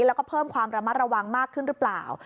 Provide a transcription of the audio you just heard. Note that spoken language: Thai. แล้วก็เพิ่มความระมัดระวังมากขึ้นหรือเปล่า